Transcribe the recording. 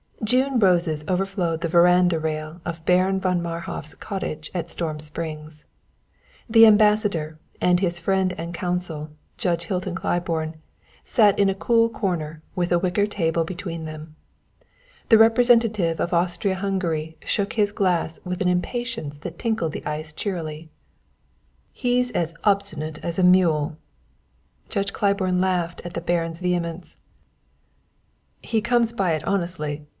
June roses overflowed the veranda rail of Baron von Marhof's cottage at Storm Springs. The Ambassador and his friend and counsel, Judge Hilton Claiborne, sat in a cool corner with a wicker table between them. The representative of Austria Hungary shook his glass with an impatience that tinkled the ice cheerily. "He's as obstinate as a mule!" Judge Claiborne laughed at the Baron's vehemence. "He comes by it honestly.